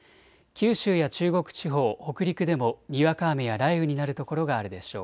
九州や中国地方、北陸でもにわか雨や雷雨になる所があるでしょう。